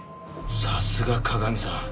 さすが加賀美さん。